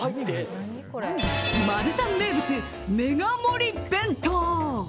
マルサン名物、メガ盛り弁当。